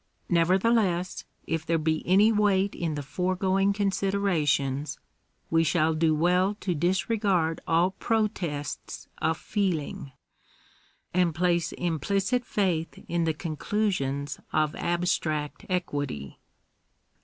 Nevertheless, if there be any weight in the foregoing considerations, we shall do well to disregard all protests of feeling, and place implicit faith in the conclu sions of abstract equity.